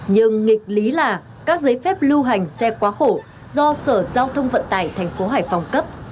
nhưng nghịch lý là các giấy phép lưu hành xe quá khổ do sở giao thông vận tải thành phố hải phòng cấp